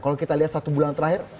kalau kita lihat satu bulan terakhir